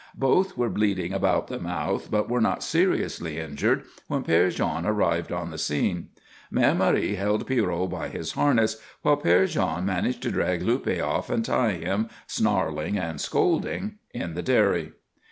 Both were bleeding about the mouth but were not seriously injured when Père Jean arrived on the scene. Mère Marie held Pierrot by his harness while Père Jean managed to drag Luppe off and tie him, snarling and scolding, in the dairy.